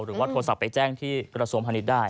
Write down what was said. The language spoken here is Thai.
หรือว่าโทรศัพท์ไปแจ้งที่กรสมธนิษฐ์ได้